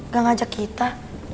gak ngajak kita